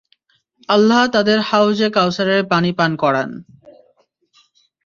আল্লাহ তাদের হাউজে কাউসারের পানি পান করান।